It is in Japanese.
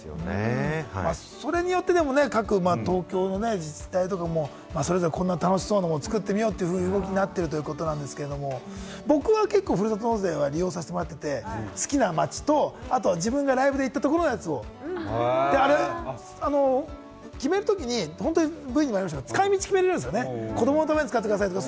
それによって東京の各自治体とかも、こんな楽しそうなものを作ってみようという動きになっているということなんですけれども、僕は結構、ふるさと納税は利用させてもらっていて、好きな街とあとは自分がライブに行ったところのやつを決めるときにＶＴＲにもありましたが、使い道を決められるんですよね。